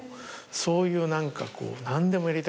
そういう何かこう。